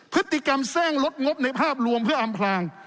พฤติกรรมสร้างลดงบในภาพรวมเพื่ออำพลาง